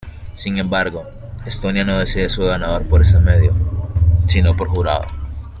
Sin embargo, Estonia no decide su ganador por este medio, sino por un jurado.